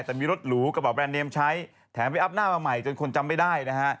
แต่มีรถหรูกระบอกแรนเนมใช้แถมไปอัพหน้ามาใหม่จนคนจำไม่ได้นะฮะ